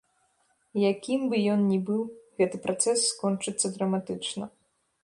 Якім бы ён ні быў, гэты працэс скончыцца драматычна.